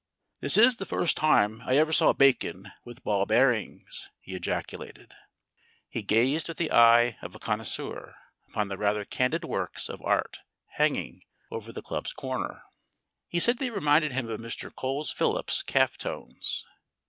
"This is the first time I ever saw bacon with ball bearings," he ejaculated. He gazed with the eye of a connoisseur upon the rather candid works of art hanging over the club's corner. He said they reminded him of Mr. Coles Phillips's calf tones.